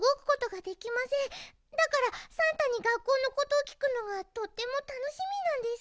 だからさんたにがっこうのことをきくのがとってもたのしみなんです。